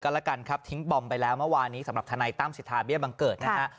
แล้วกันครับทิ้งบอมไปแล้วเมื่อวานนี้สำหรับทนายตั้มสิทธาเบี้ยบังเกิดนะฮะ